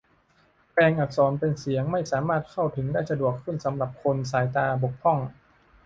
แปลงอักษรเป็นเสียง ให้สามารถเข้าถึงได้สะดวกขึ้นสำหรับคนสายตาบกพร่อง